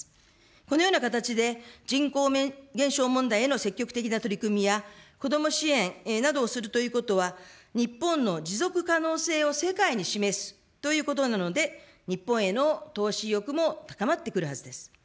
このような形で人口減少問題への積極的な取り組みや、子ども支援などをするということは、日本の持続可能性を世界に示すということなので、日本への投資意欲も高まってくるはずです。